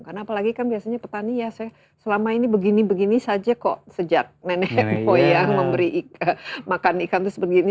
karena apalagi kan biasanya petani ya saya selama ini begini begini saja kok sejak nenek moyang memberi makan ikan terus begini